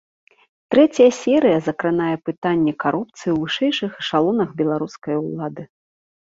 Трэцяя серыя закранае пытанні карупцыі ў вышэйшых эшалонах беларускай улады.